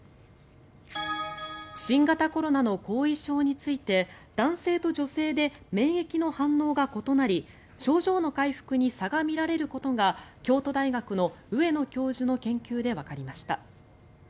新型コロナの後遺症について男性と女性で免疫の反応が異なり症状の回復に差が見られることが京都大学の上野教授の研究でわかりました。